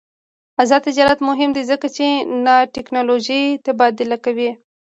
آزاد تجارت مهم دی ځکه چې نانوټیکنالوژي تبادله کوي.